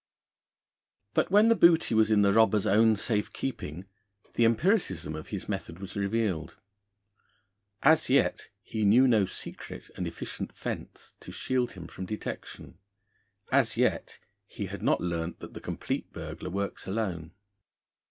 But when the booty was in the robber's own safe keeping, the empiricism of his method was revealed. As yet he knew no secret and efficient fence to shield him from detection; as yet he had not learnt that the complete burglar works alone.